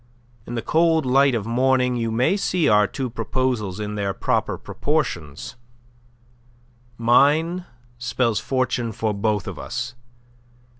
In the cold light of morning you may see our two proposals in their proper proportions. Mine spells fortune for both of us.